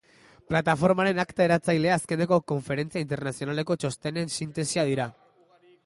Plataformaren akta eratzailea azkeneko konferentzia internazionaleko txostenen sintesia dira.